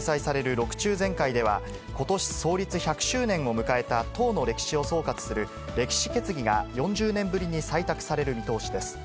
６中全会では、ことし創立１００周年を迎えた党の歴史を統括する歴史決議が４０年ぶりに採択される見通しです。